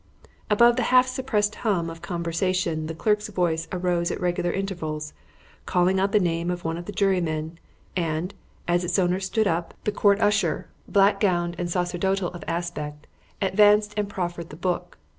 Above the half suppressed hum of conversation the clerk's voice arose at regular intervals, calling out the name of one of the jurymen, and, as its owner stood up, the court usher, black gowned and sacerdotal of aspect, advanced and proffered the book.